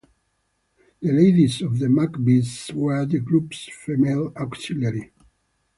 The Ladies of the Maccabees were the group's female auxiliary.